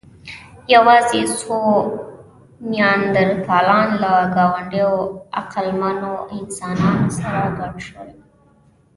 یواځې څو نیاندرتالان له ګاونډيو عقلمنو انسانانو سره ګډ شول.